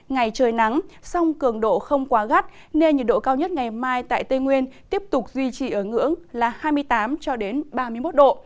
ngày trời nắng song cường độ không quá gắt nên nhiệt độ cao nhất ngày mai tại tây nguyên tiếp tục duy trì ở ngưỡng là hai mươi tám ba mươi một độ